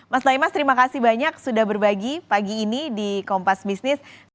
mas naimas terima kasih banyak sudah berbagi pagi ini di kompas bisnis